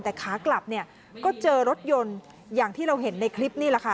แต่ขากลับเนี่ยก็เจอรถยนต์อย่างที่เราเห็นในคลิปนี่แหละค่ะ